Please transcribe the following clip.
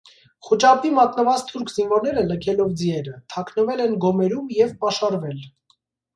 Խուճապի մատնված թուրք զինվորները, լքելով ձիերը, թաքնվել են գոմերում և պաշարվել։